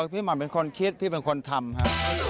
อ๋อพี่หม่ำเป็นคนคิดพี่เป็นคนทำครับ